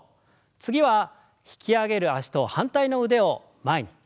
次は引き上げる脚と反対の腕を前に。